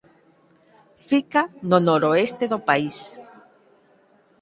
Fica no noroeste do país.